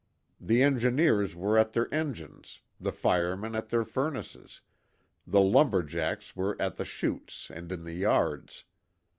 The engineers were at their engines, the firemen at their furnaces, the lumber jacks were at the shoots, and in the yards.